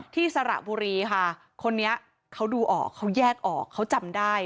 สระบุรีค่ะคนนี้เขาดูออกเขาแยกออกเขาจำได้